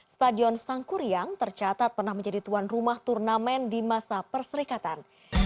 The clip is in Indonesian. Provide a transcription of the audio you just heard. stadion sangkuriang tercatat pernah menjadi tuan rumah turnamen di masa perserikatan